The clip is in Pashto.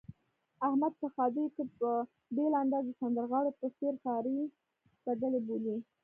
احمد په ښادیو کې په بېل انداز د سندرغاړو په څېر ښاري بدلې بولي.